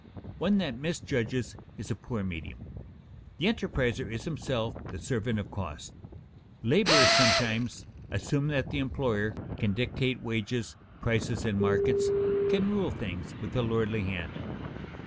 One that misjudges is a poor medium. The enterpriser is himself the servant of costs. Laborers sometimes assume that the employer can dictate wages, prices, and markets, can rule things with a lordly hand.